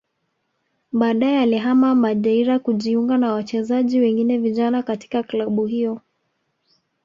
Baadaye alihama Madeira kujiunga na wachezaji wengine vijana katika klabu hiyo